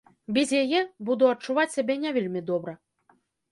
Без яе буду адчуваць сябе не вельмі добра.